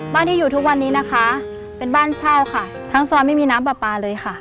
ที่อยู่ทุกวันนี้นะคะเป็นบ้านเช่าค่ะทั้งซอยไม่มีน้ำปลาปลาเลยค่ะ